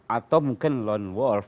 atau mungkin lone wolf